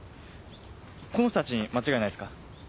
この人たちに間違いないですか？